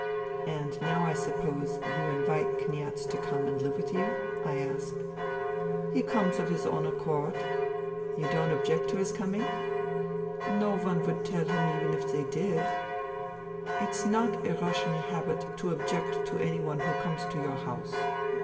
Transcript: '' And now I suppose you invite Kniaz to come and live with you ?" I asked. " He comes of his own accord." *' You don't object to his coming ?"" No one would tell him even if they did. It's not a Russian habit to object to any one who comes to your house.